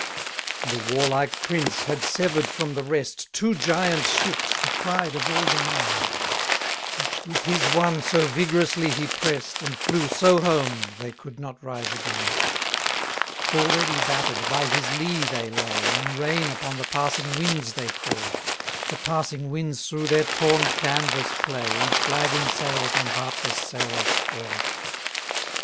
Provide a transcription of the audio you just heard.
127 The warlike prince had sever'd from the rest Two giant ships, the pride of all the main; Which with his one so vigorously he prest, And flew so home they could not rise again. 128 Already batter'd, by his lee they lay, In rain upon the passing winds they call: The passing winds through their torn canvas play, And flagging sails on heartless sailors fall.